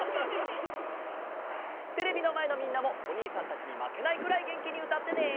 テレビのまえのみんなもおにいさんたちにまけないくらいげんきにうたってね！